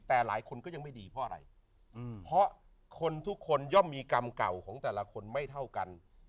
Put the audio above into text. แต่หลายคนก็ยังไม่ดีเพราะอะไรเพราะคนทุกคนย่อมมีกรรมเก่าของแต่ละคนไม่เท่ากัน